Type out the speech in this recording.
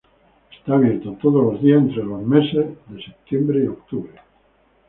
Está abierto todos los días en los meses Septiembre y Octubre.